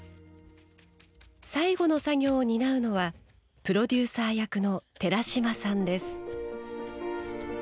最後の作業を担うのはプロデューサー役の寺島さんです。